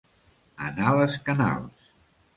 Anar les canals.